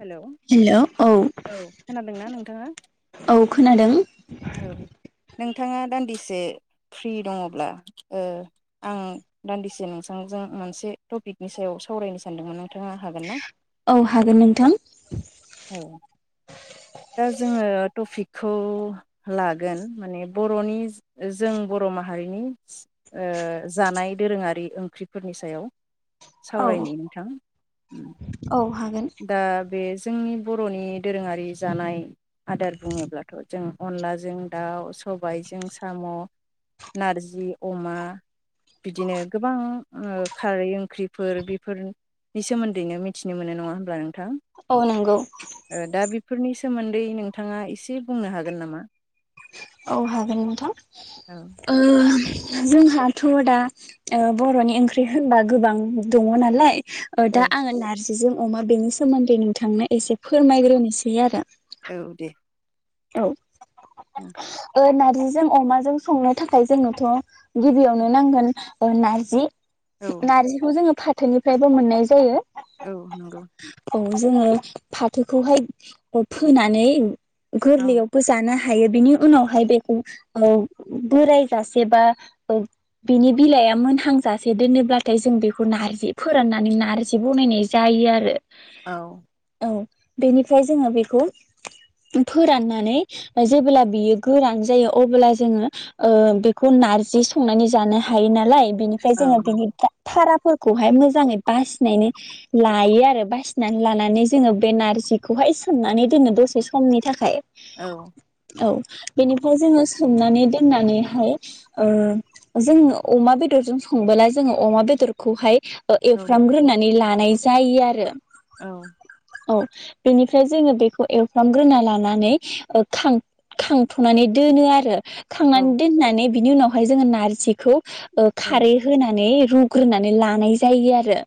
Hello hello औ खोनादोंना नोंथाङा औ खोनादों । औ नोंथाङा दान्दिसे फ्रि दङब्ला? ओ आं दान्दिसे नोंसांजों मोनसे टपिकनि सायाव सावरायनो सानदोंमोन । नों थांआं हागोन? औ हागोन नोंथां औ दा जोङो थपिक थ'। लागोन माने बर'नि ओ जों बर' माहारिनि ओ जानाय दोरोङारि ओंख्रिफोरनि सायाव । औ सावरायनो नोंथां? ओम औ हागोन दा बे जोंनि बर'नि दोरोङारि जानाय आदार बुङोब्लाथ' जों अनलाजों दाउ, सबायजों साम, ' नारजि अमा । बिदिनो गोबां ओ खारै ओंख्रिफोर बेफोरनि सोमोन्दैनो मिथिनो मोनो नङा होमबब्ला नों थां औ नंगौ ओ दा बेफोरनि सोमोन्दै नोंथाङा एसे बुंनो हा गोन नामा? औ हागोन नोंथां औ । ओ जोंहाथ दा ओ बर'नि ओंख्रि होनबा गोबां दङ नालाय ओ दा औ आङो नारजि जों अमा बेनि सोमोन्दै नोंथांनो एसे फोरमायग्रोनोसै आरो। औ दे। औ। औ [unintelligible] जिजों अमाजों संनो थाखाय जोंनोथ गिबियावनो नांगोन नारजि नारजिखौ जोङो फा फाथोनिफ्रायबो मोननाय जायो। औ नंगौ। औ जोङो फाथोखौहाय फोनानै औ गोरलैयावबो जाना हायो बिनि उनावहाय बेखौ बोरायजासे बा बिनि बिलाइआ मोनहांजासे दोनोब्लाथाय जों बेखौ नार्जि फोराननानै नार्जि बनायनाय जायो आरो औ औ बेनिफ्राय जोङो बेखौ फोराननानै जेबोब्ला बियो गोरान जायो अब्ला जोङो ओ बेखौ नारजि संनानै जानो हायो नालाय बिनिफ्राय औ जोङो बिनि थारा फोरखौहाय मोजाङै बासिनायनि लायो आरो बासि नानै लानानै जोङो बे नारजिखौहाय सोमनानै दोनो दसे स- मनि थाखाय औ औ बेनिफ्राय जोङो सोमनानै दोननानैहाय ओ जों अमा बेदरजों संबोला जोङो अमा बेदरखौहाय औ एवफ्रामग्रोनानै लान नाय जायो आरो औ औ बेनिफ्राय जोङो बेखौ एव खालामग्रोना लानानै ओ खां खांथनानै दोनो आरो औ खांनानै दोननानै बिनि उनावहाय जोङो नारजिखौ ओ खारै होनानै रुग्रोनानै लानाय जायो आरो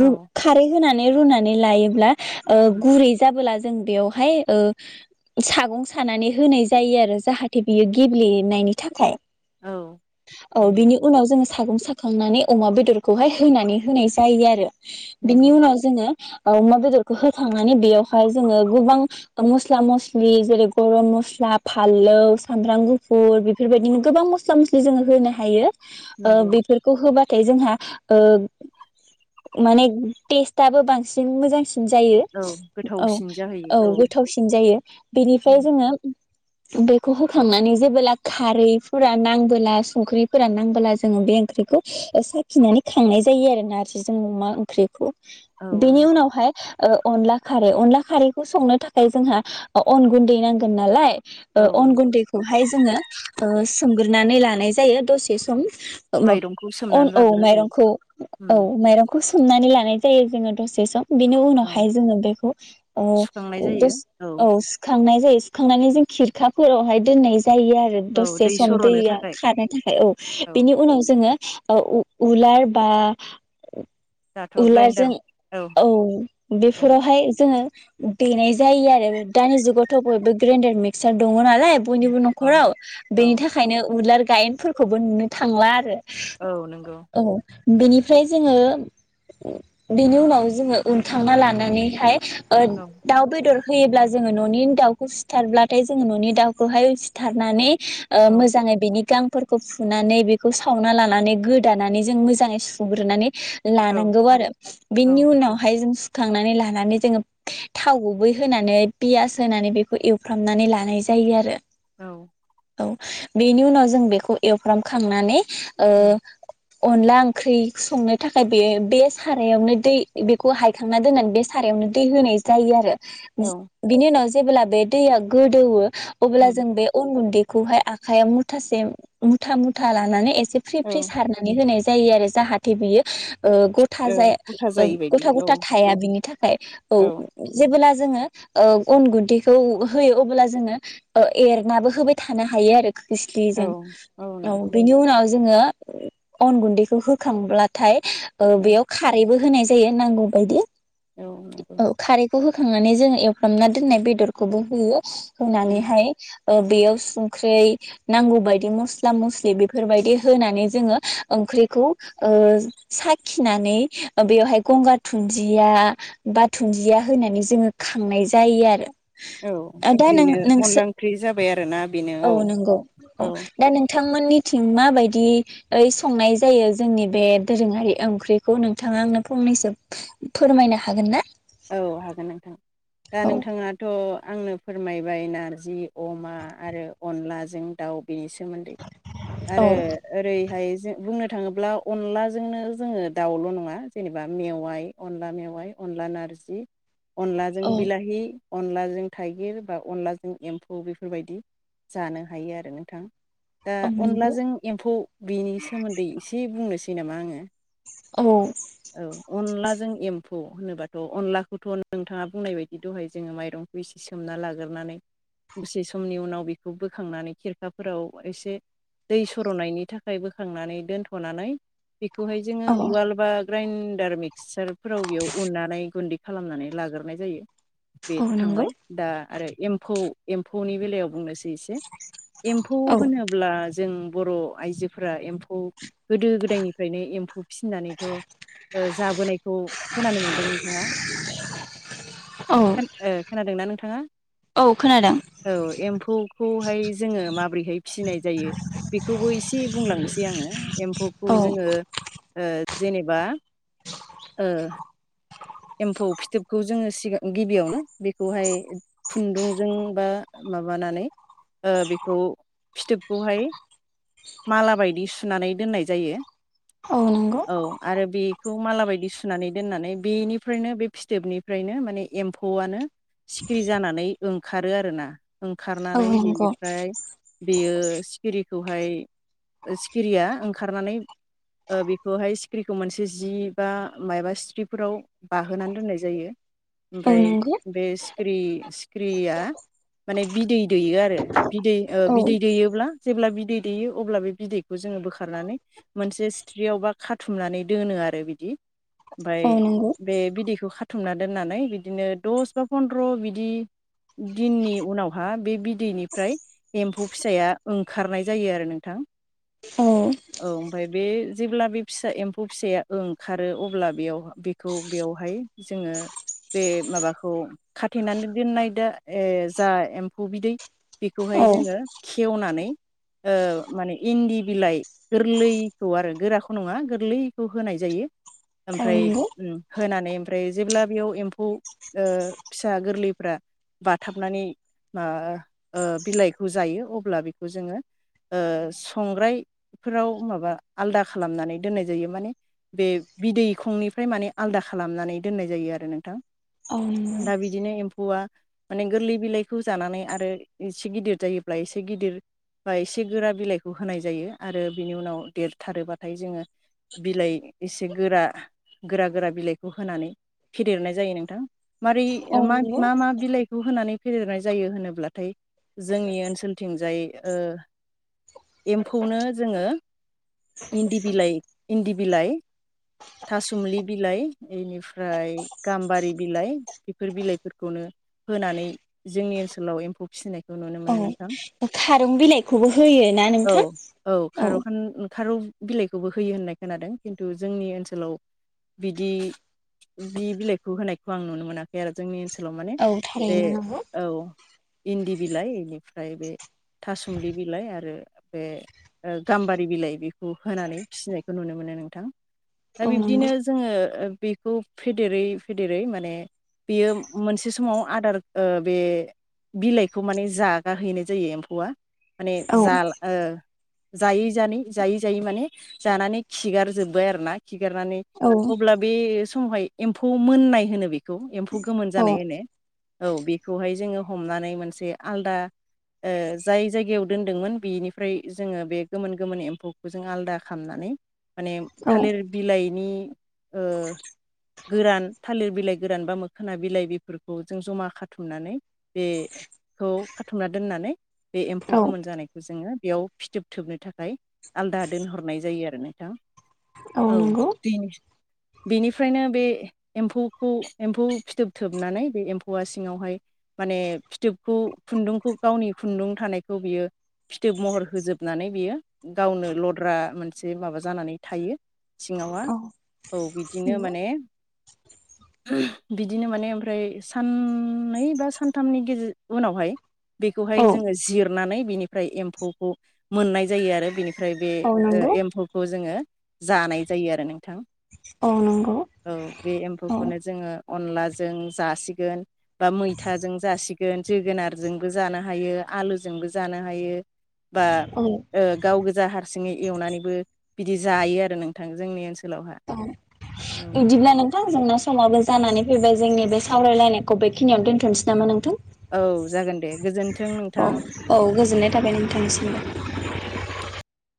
रु खारै होना नै रुनानै लायोब्ला ओ गुरै जाबोला जों बेवहाय ओ सागं सानानै होनाय जायो आरो जाहाथे बियो गेब्लेनायनि थाखाय औ औ नंगौ बिनि उनाव जों सागं साखांनानै अमा बेदरखौहाय होनानै होनाय जायो आरो बिनि नंगौ उनाव जोङो ओ अमा बेदरखौ होखांनानै बेयावहाय जोङो गोबां मस्ला मस्लि जेरै गरम मस्ला फाललौ सामब्राम गुफुर बेफोरबायदिनो गोबां मस्ला मस्लि जोङो होनो हायो ओ नंगौ बेफोरखौ होबा नाथाय जोंहा ओ माने टेस्टआबो बांसिन मोजांसिन जायो औ औ गोथावसिन जाहैयो औ थावसिन जायो बेनिफ्राय जोङो बेखौ होखांनानै जेबोला खारैफोरा नांबोला संख्रिफोरा नांबोला जोङो बे ओंख्रिखौ साखिनानै खांनाय जायो आरो नार्जिजों अमा ओंख्रिखौ औ बेनि नंगौ उनावहाय ओ अनला खारै अनला खारैखौ संनो थाखाय फाय जोंहा अन गुन्दै नांगोन नालाय ओ औ अन नंगौ गुन्दैखौहाय जोङो ओस सोमग्रोनानै लानाय जायो दसे सम ओमब माइरंखौ अन सोमनानै औ लाग्रो माइरंखौ उम औ माइरंखौ सो सोमनानै लानाय जायो जोङो दसे सम बिनि औ उनावहाय जोङो बेखौ ओ सुखांनाय औ जायो जास औ सुखांनाय सुखांनानै जों खिरखाफोरावहाय दोननायज जायो आरो औ दसे दै सम सर'नो दैया थाखाय खारनो थाखाय औ औ बिनि उनाव जोङो ओ उ उलार बा दाथ' ग्राइन्डार उलारजों औ औ बेफोरावहाय जोङो औ देनाय जायो आरो दानि जुगावथ' बयबो ग्रेडार मिक्सार द दङो नालाय बयनिबो औ न'खराव बेनि औ थाखायनो उलार गायेनफोरखौबो नुनो थांला आरो औ नंगौ औ बेनिफ्राय जोङो बेनि उनाव जोङो उनखांना लानानैहाय ओद औ दाउ बेदर होयोब्ला जोङो न'नि दाउखौ सिथारब्लाथाय जोङो न'नि दाउखौहाय सिथारनानै ओ औ मोजाङै बेनि गां फोरखौ फुनानै बेखौ सावना लानानै गोदानानै जों मोजाङै सुग्रोनानै औ लानांगौ आरो औ बिनि उनावहाय जों सु थांनानै लानानै जोङोब थाव गुबै होनानै पियास होनानै बेखौ एवफ्रामनानै लानाय जायो आरो औ औ बेनि उनाव जों बेखौ एवफ्राम खांनानै ओ उम अनला ओंख्रि संनो थाखाय बे बे सारायावनो दै बेखौ हायखांना दोननानै बे सारायावनो दै होनायज जायो आरो जि औ बिनि उनाव जि जेब्ला बे दैया गोदौवो अब्ला उम जों बे अन गुन्दै खौहाय आखायाव मुथासे मुथा मुथा लानानै एस से फ्रि फ्रि औ सारनानै होनायज जायो आरो जाहाथे बियो ओ गथा औ जाया गथा जायै बायदि गथा औ गथा थाया बिनि थाखाय औ जेबोब्ला जोङो ओ अन गुन्दैखौ होयो अब्ला जोङो ओ एरनाबो होबाय थानो हायो आरो औ खोस्लिजों औ बेनि उनाव जों जोङो अन गुन्दैखौ होखांब्लाथाय ओ औ बेयाव खारैबो होनाय जायो नांगौ बायदि औ औ खारैखौ होखांनानै जोङो एवफ्रामना दोननाय बेदरखौबो होयो। होनानै उम हाय ओ बेयाव संख्रै नांगौ बायदि मस्ला-मस्लि बेफोरबायदि होनानै जोङो ओंख्रिखौ ओ साखिनानै बेवहाय गंगार दुनदिया बा दुुनन्दिया होनानै जोङो खांनाय जायो आरो औ दा नों बेनो नोंसि अनला ओंख्रि जाबाय आरोना बेनो औ औ थांमोननिथिं माबायदि ओइ संनाय जायो जोंनि बे दोरोङारि ओंख्रिखौ नोंथाङा आंनो फंनैसो फोरमायनो हागोन ना औ हागोन नोंथां दा औ नोंथांङाथ' आंनो फोरमायबाय नारजि अमा आरो अनलाजों दाउ बेनि सोमोन्दै औ आरो ओरैहाय जे बुंनो थाङोब्ला अनलाजोंनो जोङो दाउल' नङा जेनेबा मेवाइ अनला मेवाय अनला नारजि जि औ अनलाजों बिलाहि अनलाजों थाइगिर बा अनलाजों एम्फौ बेफोर बायदि जानो हायो आरो नोंथां दा नंगौ अनलाजों एम्फौ बेनि सोमोन्दै एसे बुंनोसै जेनेमा आङो औ औ अनलाजों एम्फौ होनोबाथ' अनलाखौथ' नोंथाङा बुंनाय बायदि दहाय जोङो माइरंखौ एसे सोमना लाग्रनानै दुसे समनि उनाव बेखौ बोखांनानै खिरखाफोराव एसे दै सर'नायनि थाखाय बोखांनानै दोनथ'नानै बेखौहाय जोङो औ उवाल बा ग्राइन्डार मिक्सारफोराव बेयाव उननानै गुन्दै खालामनानै लाग्रोनाय जायो। औ बेथ' नंगौ थांबाय दा आरो एम्फौ एम्फौनि बेलायाव बुंनोसै से एम्फौ औ होनोब्ला जों बर' आइजोफोरा एम्फौ गोदो-गोदायनिफ्रायनो एम्फौ फिसिनानैथ' जाबोनायखौ खोनानो मोनदों नोंथाङा औ खोन [unintelligible] नोंथाङा औ खोनादों औ एम्फु खौहाय जोङो माबोरैहाय फिसिनाय जायो बेखौबो एसे बुंलांनोसै आङो। एम्फौखौ औ जोङो ओ जेेने बा ओ एम्फौ फिथोबखौ जोङो सिगां गिबियावनो बेखौहाय खुन्दुंजों बा माबानानै ओ बेखौ फिथोबखौहाय माला बायदि सुनानै दोननाय जायो। औ नंगौ औ आरो बे खौ माला बायदि सुनानै दोननानै बेनि फ्रायनो बे फिथोबनिफ्रायनो माने एम्फौआनो सिखिरि जानानै ओंखारो आरोना। औ ओंखारनानै नंगौ बिनिफ्राय बेयो सिखिरिखौहाय सिखिरिया ओंखारनानै ओ बेखौहाय सिखिरिखौ मोनसे जि बा मायबा सिथ्रिफोराव बाहोनानै दोननाय जायो। औ ओमफ्राय नंगौ बे सिख ख्रि सिख्रिया माने बिदै दैयो आरो बिदै ओ औ बिदै दैयोब्ला जेब्ला बिदै दैयो अब्ला बे बिदैखौ जोङो बोखारनानै मोनसे सिथ्रियावबा खाथुमनानै दोनो आरो बिदि ओमफ्राय औ नंगौ बे बिदैखौ खाथुमना दोननानै बिदिनो दस बा फन्द्र' बिदि दिननि उनावहा बे बिदैनिफ्राय एम्फौ फिसाया ओंखारनाय जायो आरो नोंथां औ औ ओमफ्राय बे जेब्ला फिसा एम्फौ फिसाया ओंखारो अब्ला बेयाव बे खौ बेवहाय जोङो बे माबाखौ खाथेनानै दोननाय दा जा एम्फौ बिदै बेखौहाय औ जोङो खेवनानै ओ माने इन्दि बिलाइ गोरलैखौ आरो गोराखौ नङा गोरलैखौ होनाय जायो औ ओमफ्राय नंगौ उम होनानै ओमफ्राय जेब्ला बेयाव एम्फौ ओ फिसा गोरलैफ्रा बाथाबनानै मा ओ बिलाइखौ जायो अब्ला बेखौ जोङो ओ संग्रायफोराव माबा आलदा खालामनानै दोननाय जायो माने बे बिदैखंनिफ्राय माने आलदा खालामनानै दोननाय जायो आरो नोंथां। औ दा [unintelligible] बिदिनो एम्फौआ माने गोरलै बिलाइखौ जानानै आरो इसे गिदिर जायोब्ला एसे गिदिर बा एसे गोरा बिलाइखौ होनाय जायो आरो बिनि उनाव देरथारोबाथाय जोङो बिलाइ एसे गोरा गोरा गोरा बिलाइखौ होनानै फेदेरनाय जायो नोंथां। मारै औ मा नंगौ मा मा बिलाइखौ होनानै फेदेरनाय जायो होनोब्लाथाय जोंनि ओनसोलथिंजाय ओ एम्फौनो जोङो इन्दि बिलाइ इन्दि बिलाइ थासुमलि बिलाइ इनिफ्राय गाम्बारि बिलाइ बेफोर बिलाइफोरखौनो होनानै जोंनि ओनसोलाव एम्फौ फिसिनायखौ नुनो मोनो नोंथां। खारौ बिलाइखौबो होयो ना औ नोंथां? औ। खारौ खान खारौ बिलाइखौबो होयो होननाय खोनादों किन्थु जोंनि ओनसोलाव बिदि बि बिलाइखौ होनायखौ आं नुनो मोनाखै आरो जोंनि ओनसोलाव माने औ बे थारैनो नंगौ औ। इन्दि बिलाइ इनिफ्राय बे थासुमलि बिलाइ आरो बे ओ गाम्बारि बिलाइ बेखौ होनानै फिसिनायखौ नुनो मोनो नोंथां। दा औ नंगौ बिब्दिनो ओ बेखौ फेदेरै फेदेरै माने बियो मोनसे समाव आदार ओ बे बिलाइखौ माने जागा हैनाय जायो एम्फौआ। माने जाल औ ओ जायै जानै जायै जायै माने जानानै खिगार जोब्बाय आरो ना खिगारनानै औ अब्ला बे समावहाय एम्फौ मोननाय होनो बेखौ एम्फौ गोमोन औ जानाय होनो औ बेखौहाय जोङो हमनानै मोनसे आलादा ओ जाय जायगायाव दोनदोंमोन बेनिफ्राय जोङो बे गोमोन गोमोन एम्फौखौ जों आलादा खामनानै माने औ थालिर बिलाइ नि ओ गोरान थालिर बिलाइ गोरान बा मोखोना बिलाइ बेफोरखौ जों जमा खाथुमनानै बे खौ खाथुमना दोननानै बे एम्फौ औ गोमोन जानायखौ जोङो बेयाव फिथोब थोबनो थाखाय आलदा दोनहरनाय जायो आरो नोंथां। औ बेनो। बेनिफ्रायनो बे एम्फौखौ एम्फौ फिथोब थोबनानै बे एम्फौआ सिङावहाय माने फिथोबखौ खुन्दुंखौ गावनि खुन्दुं थानायखौ बियो फिथोब महर होजोबनानै बियो गावनो लद्रा मोनसे माबा जानानै थायो सिङावहा। औ औ बिदिनो नंगौ माने बिदिनो माने ओमफ्राय साननै बा सानथामनि गेज उनावहाय बेखौहाय औ जोङो जिरनानै बिनिफ्राय एम्फौखौ मोननाय जायो आरो बिनि फ्राय बे औ नंगौ एम्फौखौ जोङो जानाय जायो आरो नोंथां। औ नंगौ औ बे औ एम्फौखौनो जोङो अनलाजों जासिगोन बा मैथाजों जासिगोन जोगोनारजोंबो जानो हायो, आलुजोंबो जानो हायो। बा ओ गाव गो जा हारसिङै एवनानैबो बिदि जायो आरो नोंथां जोंनि ओनसोलावहा। औ इदिब्ला नों थां जोंना समाबो जानानै फैबाय जोंनि बे सावरायलायनायखौ बेखिनियावनो दोनथ'नोसै नामा नोंथां? औ जागोन दे गोजोन्थों अह नोंथां औ गोजोननाय थाबाय नोंथांनिसिमबो।